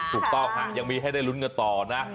ถูกค่ะยังไม่ให้ได้ร้นกับต่อนะ